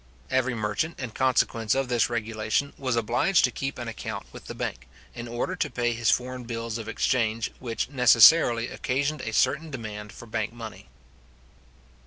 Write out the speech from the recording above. Every merchant, in consequence of this regulation, was obliged to keep an account with the bank, in order to pay his foreign bills of exchange, which necessarily occasioned a certain demand for bank money.